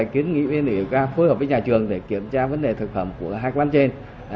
khiến ủy ban xã phối hợp với nhà trường để kiểm tra vấn đề thực phẩm của hai quán trên